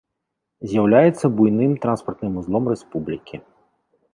З'яўляецца буйным транспартным вузлом рэспублікі.